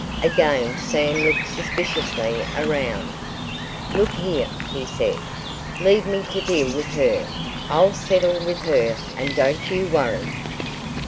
Again Sam looked suspiciously around. "Look here," he said, "leave me to deal with her. I'll settle with her, and don't you worry!"